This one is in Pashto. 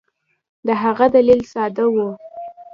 د هغه دلیل ساده وو.